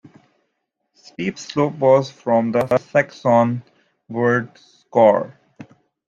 Steep slope was from the Saxon word "scor".